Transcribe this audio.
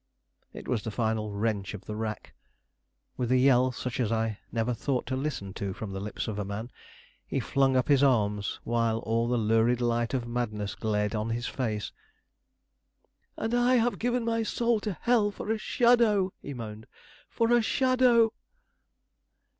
It was the final wrench of the rack. With a yell such as I never thought to listen to from the lips of a man, he flung up his arms, while all the lurid light of madness glared on his face. "And I have given my soul to hell for a shadow!" he moaned, "for a shadow!"